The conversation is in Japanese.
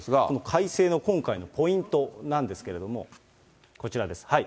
この改正の今回のポイントなんですけれども、こちらです。